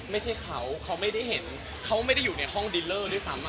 ไม่ใช่เขาเขาไม่ได้เห็นเขาไม่ได้อยู่ในห้องดินเลอร์ด้วยซ้ำ